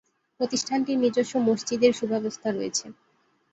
প্রতিষ্ঠানটির নিজস্ব মসজিদ এর সুব্যবস্থা রয়েছে।